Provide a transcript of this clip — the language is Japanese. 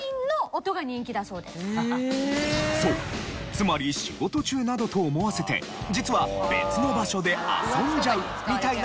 つまり仕事中などと思わせて実は別の場所で遊んじゃうみたいな事ができる機能。